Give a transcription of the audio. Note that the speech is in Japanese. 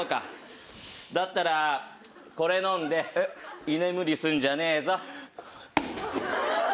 だったらこれ飲んで居眠りすんじゃねえぞ。